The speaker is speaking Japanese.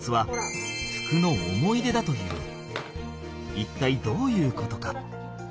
一体どういうことか？